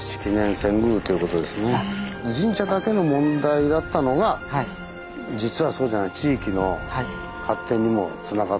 神社だけの問題だったのが実はそうじゃない地域の発展にもつながってるってことですね。